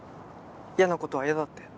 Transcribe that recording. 嫌なことは嫌だって。